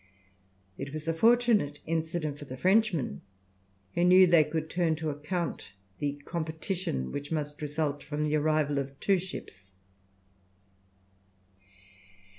It was a fortunate incident for the Frenchmen, who knew they could turn to account the competition which must result from the arrival of two ships.